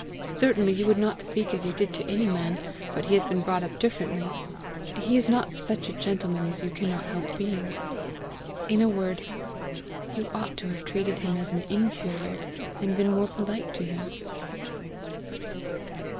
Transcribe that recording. Certainly you would not speak as he did to any man, but he has been brought up differently; he is not such a gentleman as you cannot help being. In a word, you ought to have treated him as an inferior, and been more polite to him."